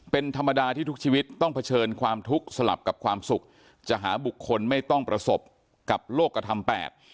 เป็นธรรมดาที่ทุกชีวิตต้องเผชิญความทุกข์สลับกับความสุขจะหาบุคคลไม่ต้องประสบกับโลกกระทำแปด